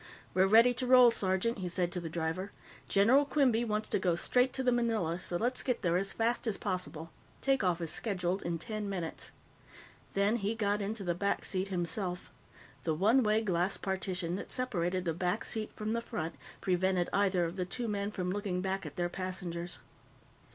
"We're ready to roll, sergeant," he said to the driver. "General Quinby wants to go straight to the Manila, so let's get there as fast as possible. Take off is scheduled in ten minutes." Then he got into the back seat himself. The one way glass partition that separated the back seat from the front prevented either of the two men from looking back at their passengers.